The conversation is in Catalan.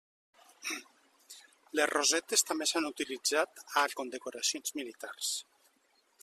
Les rosetes també s'han utilitzat a condecoracions militars.